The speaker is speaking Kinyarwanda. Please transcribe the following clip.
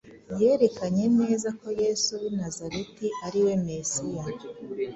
yerekanye neza ko Yesu w’i Nazareti ari we Mesiya;